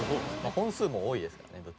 本数も多いですからね